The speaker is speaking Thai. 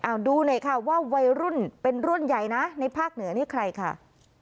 เอาดูหน่อยค่ะว่าวัยรุ่นเป็นรุ่นใหญ่นะในภาคเหนือนี่ใครค่ะ